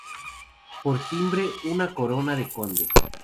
Por timbre una corona de conde.